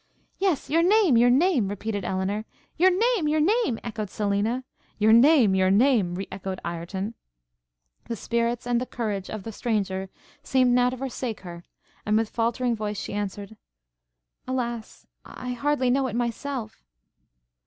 'Yes, your name! your name!' repeated Elinor. 'Your name! your name!' echoed Selina. 'Your name! your name!' re echoed Ireton. The spirits and courage of the stranger seemed now to forsake her; and, with a faultering voice, she answered, 'Alas! I hardly know it myself!'